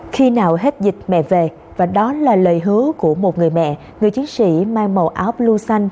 khi nào hết dịch mẹ về và đó là lời hứa của một người mẹ người chiến sĩ mang màu áo blu xanh